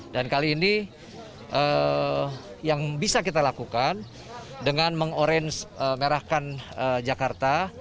dan kali ini yang bisa kita lakukan dengan meng orange merahkan jakarta